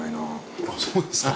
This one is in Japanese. あそうですか。